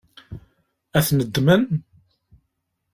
Ad ten-ddmen?